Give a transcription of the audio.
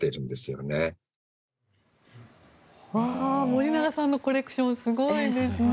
森永さんのコレクションすごいですね。